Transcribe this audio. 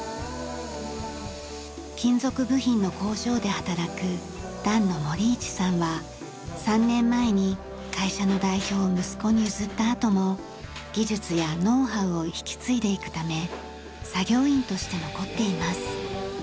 金属部品の工場で働く團野盛一さんは３年前に会社の代表を息子に譲ったあとも技術やノウハウを引き継いでいくため作業員として残っています。